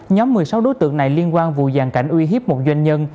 nhóm một mươi sáu đối tượng này liên quan vụ giàn cảnh uy hiếp một doanh nhân